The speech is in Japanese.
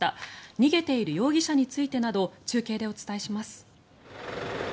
逃げている容疑者についてなど中継でお伝えします。